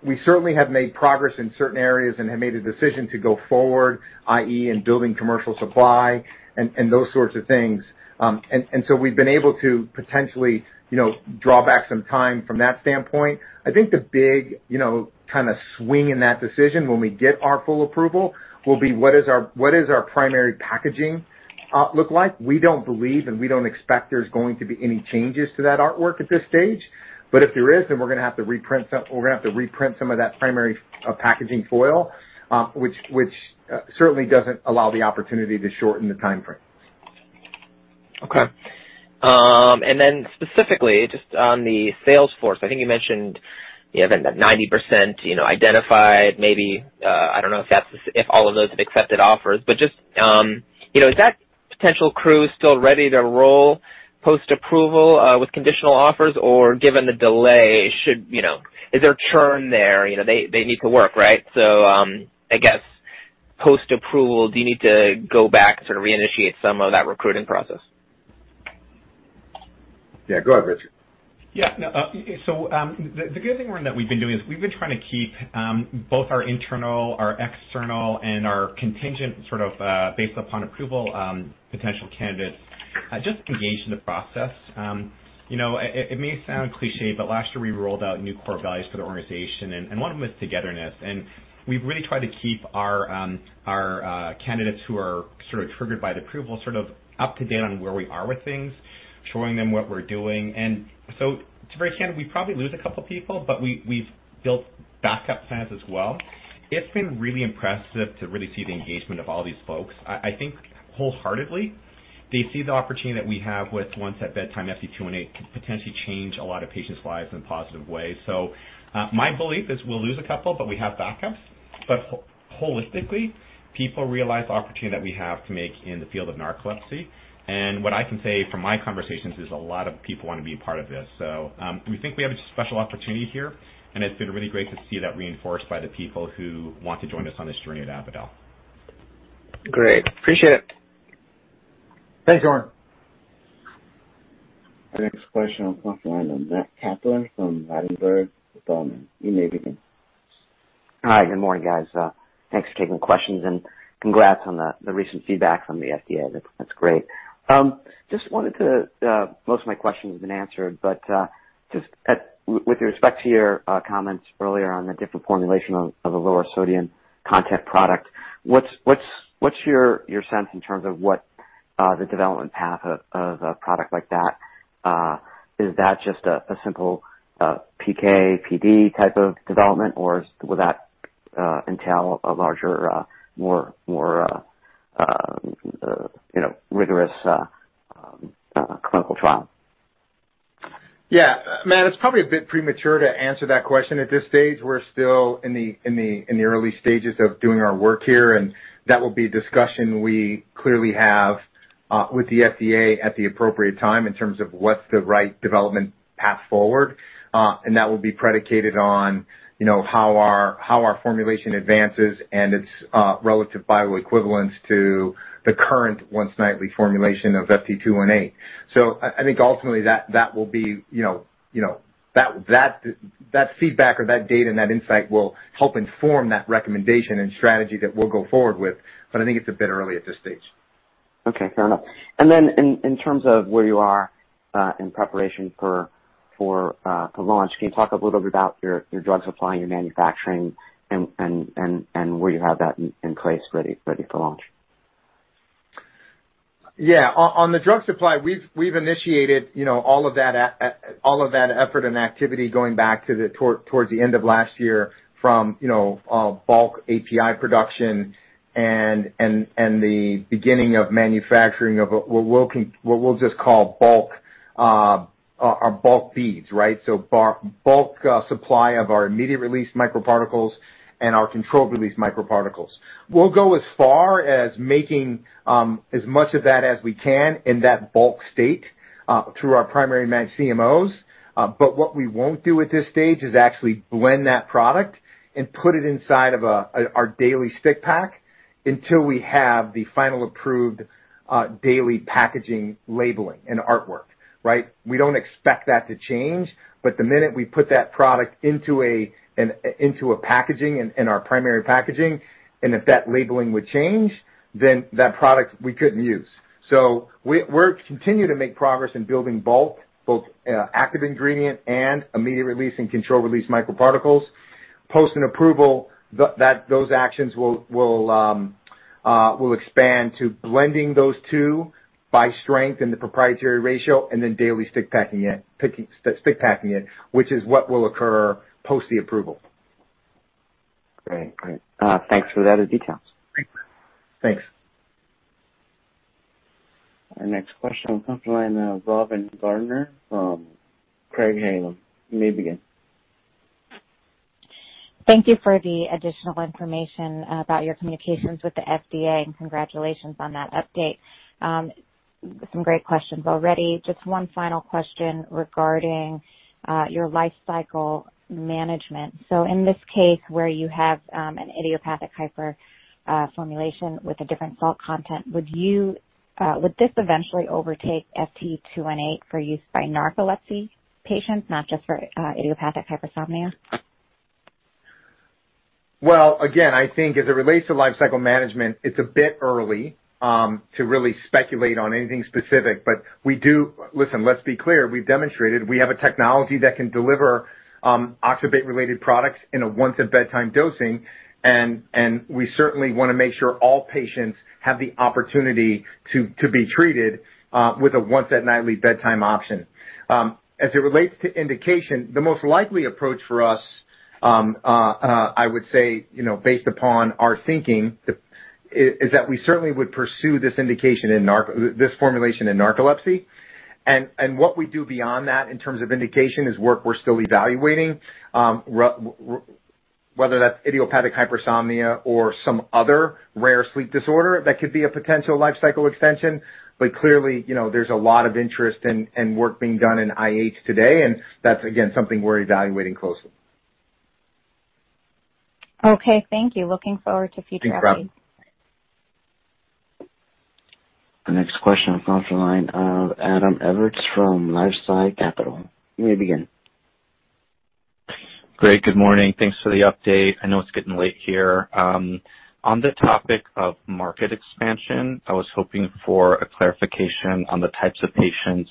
C: We certainly have made progress in certain areas and have made a decision to go forward, i.e., in building commercial supply and those sorts of things. We've been able to potentially, you know, draw back some time from that standpoint. I think the big, you know, kinda swing in that decision when we get our full approval will be what is our primary packaging look like? We don't believe, and we don't expect there's going to be any changes to that artwork at this stage, but if there is, then we're gonna have to reprint some of that primary packaging foil, which certainly doesn't allow the opportunity to shorten the timeframe.
L: Okay. Then specifically just on the sales force, I think you mentioned, you know, the 90%, you know, identified maybe. I don't know if that's if all of those have accepted offers. Just, you know, is that potential crew still ready to roll post-approval with conditional offers? Given the delay, should, you know? Is there churn there? You know, they need to work, right? I guess post-approval, do you need to go back to reinitiate some of that recruiting process?
C: Yeah. Go ahead, Richard.
H: Yeah. No, the good thing, Oren, that we've been doing is we've been trying to keep both our internal, our external, and our contingent sort of based upon approval potential candidates just engaged in the process. You know, it may sound cliché, but last year we rolled out new core values for the organization, and one of them was togetherness. We've really tried to keep our candidates who are sort of triggered by the approval sort of up to date on where we are with things, showing them what we're doing. To be very candid, we'd probably lose a couple people, but we've built backup plans as well. It's been really impressive to see the engagement of all these folks. I think wholeheartedly, they see the opportunity that we have with once at bedtime FT218 could potentially change a lot of patients' lives in a positive way. My belief is we'll lose a couple, but we have backups. Holistically, people realize the opportunity that we have to make in the field of narcolepsy. What I can say from my conversations is a lot of people wanna be a part of this. We think we have a special opportunity here, and it's been really great to see that reinforced by the people who want to join us on this journey at Avadel.
L: Great. Appreciate it.
C: Thanks, Oren.
A: Next question from the line of Matt Kaplan from Ladenburg Thalmann.
M: Hi, good morning, guys. Thanks for taking questions, and congrats on the recent feedback from the FDA. That's great. Most of my questions have been answered, but just with respect to your comments earlier on the different formulation of a lower sodium content product, what's your sense in terms of what the development path of a product like that? Is that just a simple PK/PD type of development, or would that entail a larger, more rigorous clinical trial?
C: Yeah. Matt, it's probably a bit premature to answer that question at this stage. We're still in the early stages of doing our work here, and that will be a discussion we clearly have with the FDA at the appropriate time in terms of what's the right development path forward. That will be predicated on, you know, how our formulation advances and its relative bioequivalence to the current once-nightly formulation of FT218. I think ultimately that will be, you know, that feedback or that data and that insight will help inform that recommendation and strategy that we'll go forward with, but I think it's a bit early at this stage.
M: Okay. Fair enough. In terms of where you are in preparation for launch, can you talk a little bit about your drug supply and your manufacturing and where you have that in place ready for launch?
C: Yeah. On the drug supply, we've initiated, you know, all of that effort and activity going back toward the end of last year from, you know, bulk API production and the beginning of manufacturing of what we'll just call our bulk feeds, right? Bulk supply of our immediate release microparticles and our controlled release microparticles. We'll go as far as making as much of that as we can in that bulk state. Through our primary CMOs. What we won't do at this stage is actually blend that product and put it inside of our daily stick pack until we have the final approved daily packaging, labeling and artwork. Right? We don't expect that to change, but the minute we put that product into a packaging in our primary packaging, and if that labeling would change, then that product we couldn't use. We're continuing to make progress in building both active ingredient and immediate-release and controlled-release microparticles. Post an approval, those actions will expand to blending those two by strength in the proprietary ratio and then daily stick packing it, which is what will occur post the approval.
M: Great. Thanks for that additional details.
C: Great. Thanks.
A: Our next question comes from the line of Robin Garner from Craig-Hallum. You may begin.
N: Thank you for the additional information about your communications with the FDA, and congratulations on that update. Some great questions already. Just one final question regarding your lifecycle management. In this case, where you have an idiopathic hypersomnia formulation with a different salt content, would this eventually overtake FT218 for use by narcolepsy patients, not just for idiopathic hypersomnia?
C: Well, again, I think as it relates to lifecycle management, it's a bit early to really speculate on anything specific. But we do. Listen, let's be clear, we've demonstrated we have a technology that can deliver oxybate-related products in a once-at-bedtime dosing, and we certainly want to make sure all patients have the opportunity to be treated with a once at nightly bedtime option. As it relates to indication, the most likely approach for us, I would say, you know, based upon our thinking, is that we certainly would pursue this indication in this formulation in narcolepsy. What we do beyond that in terms of indication is work we're still evaluating whether that's idiopathic hypersomnia or some other rare sleep disorder that could be a potential lifecycle extension. Clearly, you know, there's a lot of interest and work being done in IH today, and that's, again, something we're evaluating closely.
N: Okay, thank you. Looking forward to future updates.
C: Thanks, Robin.
A: The next question comes from the line of Adam Evers from LifeSci Capital. You may begin.
O: Great. Good morning. Thanks for the update. I know it's getting late here. On the topic of market expansion, I was hoping for a clarification on the types of patients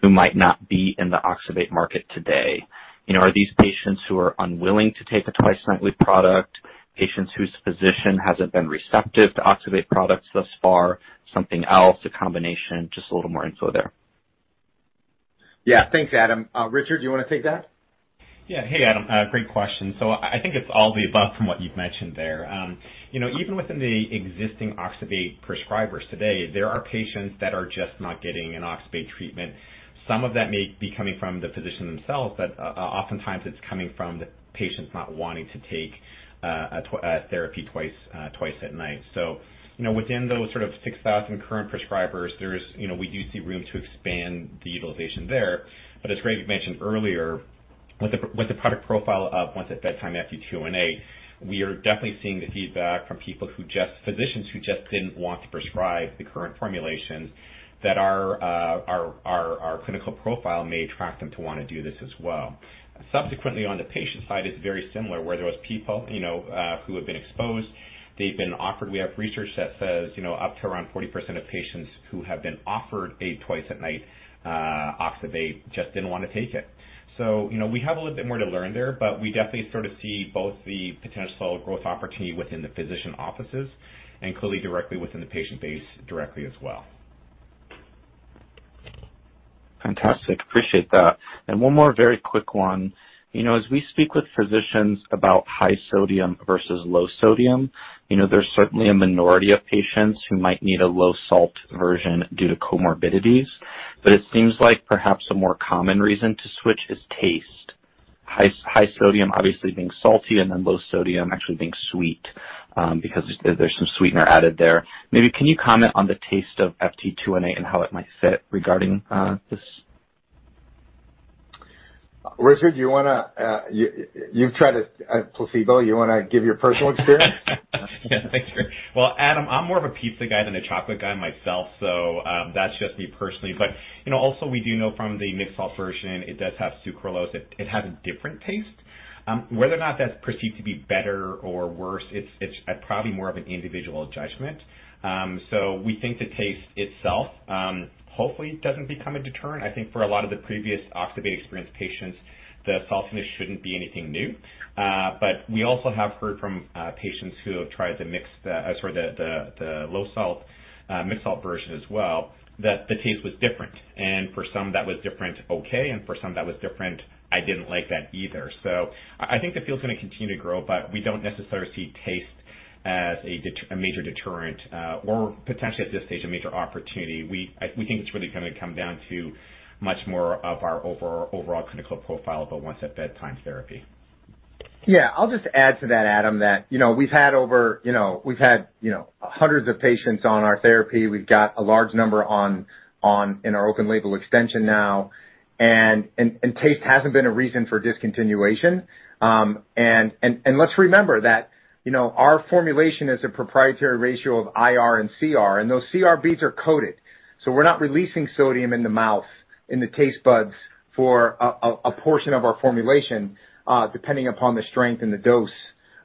O: who might not be in the Oxybate market today. You know, are these patients who are unwilling to take a twice-nightly product, patients whose physician hasn't been receptive to Oxybate products thus far, something else, a combination? Just a little more info there.
C: Yeah. Thanks, Adam. Richard, do you want to take that?
H: Yeah. Hey, Adam. Great question. I think it's all the above from what you've mentioned there. You know, even within the existing oxybate prescribers today, there are patients that are just not getting an oxybate treatment. Some of that may be coming from the physician themselves, but oftentimes it's coming from the patients not wanting to take a therapy twice at night. You know, within those sort of 6,000 current prescribers, there's you know, we do see room to expand the utilization there. But as Greg mentioned earlier, with the product profile of once at bedtime FT218, we are definitely seeing the feedback from physicians who just didn't want to prescribe the current formulations that our clinical profile may attract them to want to do this as well. Subsequently, on the patient side, it's very similar, where there was people, you know, who have been exposed, they've been offered. We have research that says, you know, up to around 40% of patients who have been offered a twice at night Oxybate just didn't want to take it. You know, we have a little bit more to learn there, but we definitely sort of see both the potential growth opportunity within the physician offices and clearly directly within the patient base directly as well.
O: Fantastic. Appreciate that. One more very quick one. You know, as we speak with physicians about high sodium versus low sodium, you know, there's certainly a minority of patients who might need a low salt version due to comorbidities, but it seems like perhaps a more common reason to switch is taste. High sodium obviously being salty and then low sodium actually being sweet, because there's some sweetener added there. Maybe can you comment on the taste of FT218 and how it might fit regarding this?
C: Richard, do you wanna, you've tried a placebo. You wanna give your personal experience?
H: Yeah. Thanks, Greg. Well, Adam, I'm more of a pizza guy than a chocolate guy myself, so that's just me personally. You know, also we do know from the mixed salt version, it does have sucralose. It has a different taste. Whether or not that's perceived to be better or worse, it's probably more of an individual judgment. We think the taste itself hopefully doesn't become a deterrent. I think for a lot of the previous Oxybate-experienced patients, the saltiness shouldn't be anything new. We also have heard from patients who have tried the low salt mixed salt version as well, that the taste was different. For some that was different, I didn't like that either. I think the field is going to continue to grow, but we don't necessarily see taste as a major deterrent, or potentially at this stage, a major opportunity. We think it's really going to come down to much more of our overall clinical profile of a once at bedtime therapy.
C: Yeah, I'll just add to that, Adam, that we've had over hundreds of patients on our therapy. We've got a large number in our open label extension now. Taste hasn't been a reason for discontinuation. Let's remember that, you know, our formulation is a proprietary ratio of IR and CR, and those CR beads are coated. So we're not releasing sodium in the mouth, in the taste buds for a portion of our formulation, depending upon the strength and the dose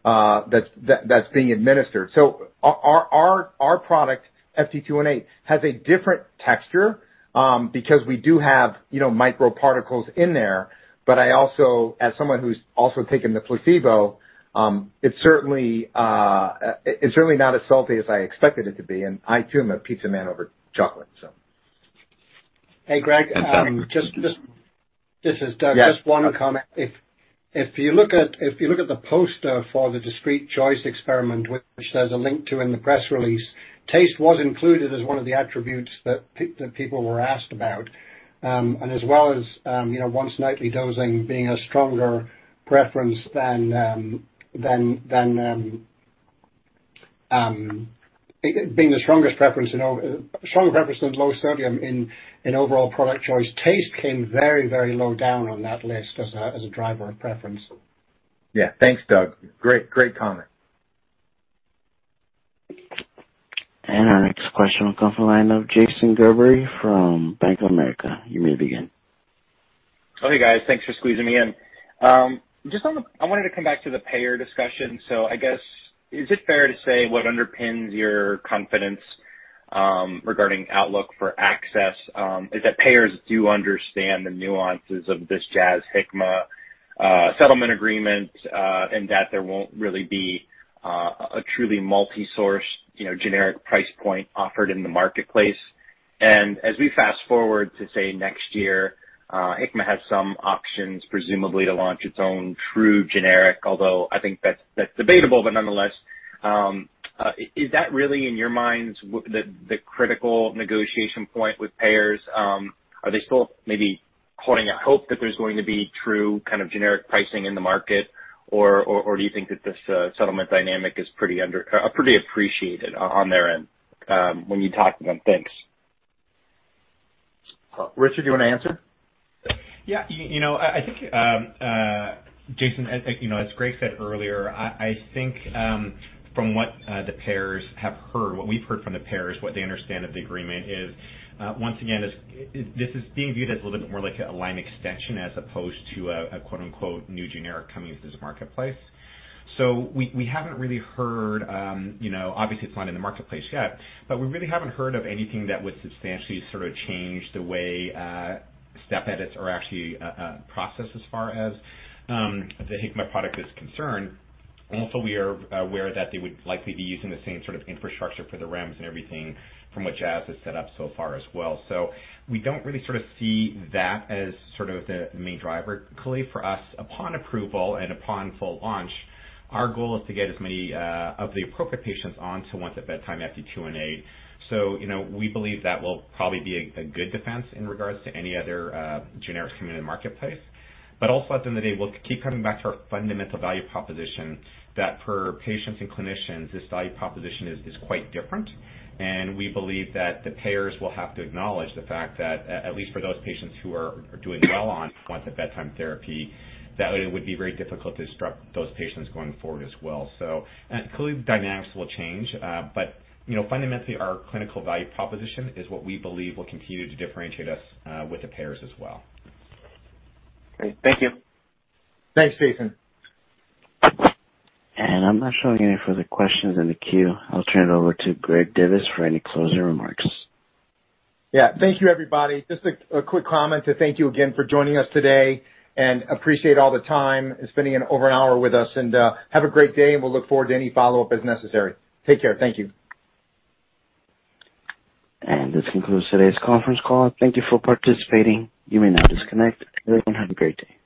C: that's being administered. So our product, FT218 has a different texture, because we do have microparticles in there. But I also... As someone who's also taken the placebo, it's certainly, it's really not as salty as I expected it to be. I too am a pizza man over chocolate, so.
D: Hey, Greg. This is Doug.
C: Yes.
D: Just one comment. If you look at the poster for the discrete choice experiment, which there's a link to in the press release, taste was included as one of the attributes that people were asked about, and as well as, you know, once nightly dosing being a stronger preference than it being the strongest preference, you know, strong preference, low sodium in overall product choice. Taste came very, very low down on that list as a driver of preference.
C: Yeah. Thanks, Doug. Great comment.
A: Our next question will come from line of Jason Gerberry from Bank of America. You may begin.
P: Oh, hey, guys. Thanks for squeezing me in. Just on the I wanted to come back to the payer discussion. I guess, is it fair to say what underpins your confidence, regarding outlook for access, is that payers do understand the nuances of this Jazz-Hikma settlement agreement, and that there won't really be a truly multi-source, you know, generic price point offered in the marketplace. As we fast-forward to, say, next year, Hikma has some options presumably to launch its own true generic, although I think that's debatable. Nonetheless, is that really, in your minds, the critical negotiation point with payers? Are they still maybe holding out hope that there's going to be true kind of generic pricing in the market? Do you think that this settlement dynamic is underappreciated on their end, when you talk to them? Thanks.
C: Richard, do you want to answer?
H: Yeah. You know, I think, Jason, you know, as Greg said earlier, I think from what the payers have heard, what we've heard from the payers, what they understand of the agreement is, once again, this is being viewed as a little bit more like a line extension as opposed to a quote-unquote new generic coming into this marketplace. We haven't really heard, you know, obviously it's not in the marketplace yet, but we really haven't heard of anything that would substantially sort of change the way step edits are actually processed as far as the Hikma product is concerned. Also, we are aware that they would likely be using the same sort of infrastructure for the REMS and everything from which Jazz is set up so far as well. We don't really sort of see that as sort of the main driver. Clearly for us, upon approval and upon full launch, our goal is to get as many of the appropriate patients onto once a bedtime FT218. You know, we believe that will probably be a good defense in regards to any other generics coming in the marketplace. Also at the end of the day, we'll keep coming back to our fundamental value proposition that for patients and clinicians, this value proposition is quite different. We believe that the payers will have to acknowledge the fact that at least for those patients who are doing well on once a bedtime therapy, that it would be very difficult to disrupt those patients going forward as well. Clearly the dynamics will change. you know, fundamentally, our clinical value proposition is what we believe will continue to differentiate us with the payers as well.
P: Great. Thank you.
C: Thanks, Jason.
A: I'm not showing any further questions in the queue. I'll turn it over to Greg Divis for any closing remarks.
C: Yeah. Thank you, everybody. Just a quick comment to thank you again for joining us today and appreciate all the time spending over an hour with us. Have a great day, and we'll look forward to any follow-up as necessary. Take care. Thank you.
A: This concludes today's conference call. Thank you for participating. You may now disconnect. Everyone, have a great day.